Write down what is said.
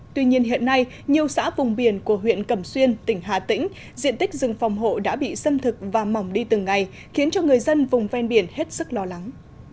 tuy nhiên hiện nay nhiều xã vùng biển của huyện cẩm xuyên tỉnh hà tĩnh diện tích rừng phòng hộ đã bị xâm thực và mỏng đi từng ngày khiến cho người dân vùng ven biển hết sức lo lắng